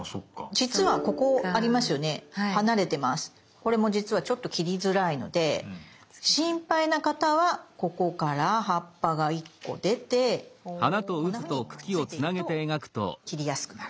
これも実はちょっと切りづらいので心配な方はここから葉っぱが１個出てこんなふうにくっついていると切りやすくなる。